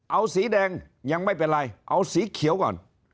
เอาสีแดงยังไม่เป็นไรเอาสีเขียวก่อน